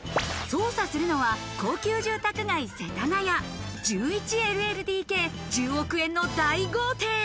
捜査するのは高級住宅街・世田谷、１１ＬＬＤＫ、１０億円の大豪邸。